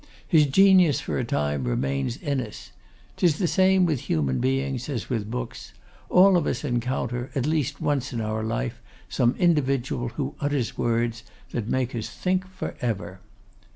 His genius for a time remains in us. 'Tis the same with human beings as with books. All of us encounter, at least once in our life, some individual who utters words that make us think for ever.